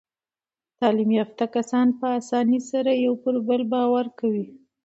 تعلیم یافته کسان په اسانۍ سره پر یو بل باور کوي.